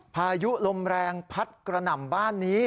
พายุลมแรงพัดกระหน่ำบ้านนี้